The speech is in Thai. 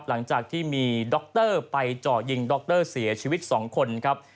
หลังจากที่มีด็อกเตอร์ไปเจาะยิงด็อกเตอร์เสียชีวิตสองคนครับ